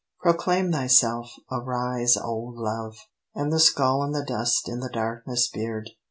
Proclaim thyself! Arise, O love!" And the skull and the dust in the darkness beard.